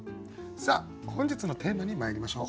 さあ本日のテーマにまいりましょう。